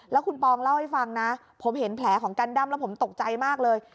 แล้วคุณปองเล่าให้ฟังนะผมเห็นแผลของกันด้ำแล้วผมตกใจมากเลย